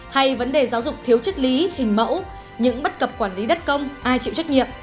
hay vấn đề giáo dục thiếu chức lý hình mẫu những bất cập quản lý đất công ai chịu trách nhiệm